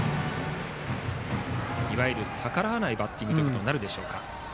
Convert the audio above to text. いわゆる逆らわないバッティングになるでしょうか。